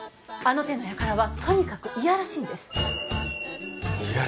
あの手の輩はとにかくいやらしいんですい